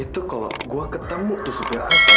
itu kalau gue ketemu tuh